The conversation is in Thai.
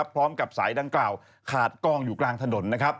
พร้อมกับสายดังกล่าวขาดกองอยู่กลางถนน